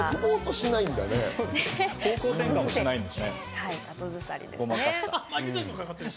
方向転換もしないんですね。